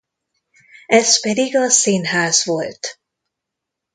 Ez pedig a színház volt.